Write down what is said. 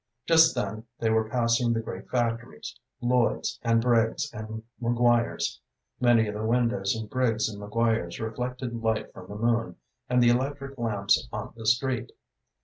Just then they were passing the great factories Lloyd's, and Briggs's, and Maguire's. Many of the windows in Briggs's and Maguire's reflected light from the moon and the electric lamps on the street.